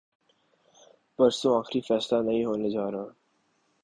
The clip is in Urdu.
پرسوں آخری فیصلہ نہیں ہونے جارہا۔